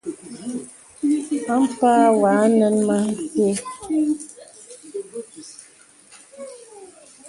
Ampâ wɔ̄ ànə̀n mə têê.